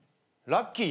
ラッキー。